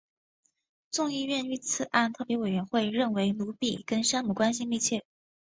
众议院遇刺案特别委员会认为鲁比跟山姆关系密切。